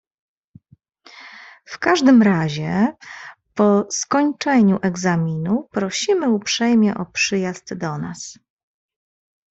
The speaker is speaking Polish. "W każdym razie po skończeniu egzaminu prosimy uprzejmie o przyjazd do nas."